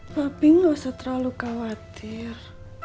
tapi gak usah terlalu khawatir